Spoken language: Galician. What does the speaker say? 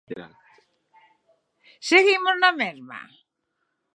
Seguimos na mesma.